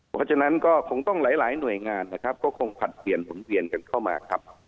เพราะฉะนั้นก็คงต้องหลายหลายหน่วยงานนะครับก็คงผลัดเปลี่ยนหมุนเวียนกันเข้ามาครับ